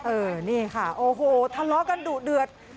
เออนี่ค่ะโอ้โหทะเลาะกันดุเดือด